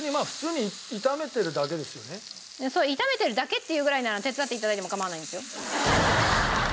炒めてるだけって言うぐらいなら手伝って頂いても構わないんですよ。